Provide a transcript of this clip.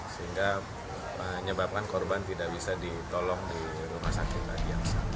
sehingga menyebabkan korban tidak bisa ditolong di rumah sakit lagi yang sama